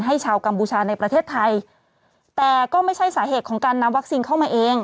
ชาวกัมพูชาในประเทศไทยแต่ก็ไม่ใช่สาเหตุของการนำวัคซีนเข้ามาเอง